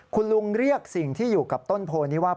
คุณลุงเรียกสิ่งที่อยู่กับต้นโพนี้ว่า